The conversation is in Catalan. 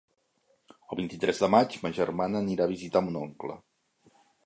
El vint-i-tres de maig ma germana anirà a visitar mon oncle.